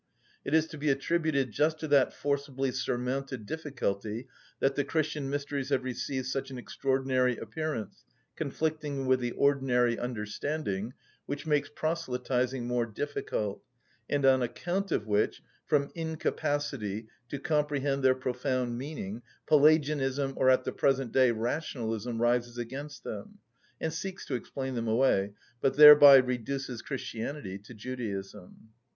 It is to be attributed just to that forcibly surmounted difficulty that the Christian mysteries have received such an extraordinary appearance, conflicting with the ordinary understanding, which makes proselytising more difficult, and on account of which, from incapacity to comprehend their profound meaning, Pelagianism, or at the present day Rationalism, rises against them, and seeks to explain them away, but thereby reduces Christianity to Judaism.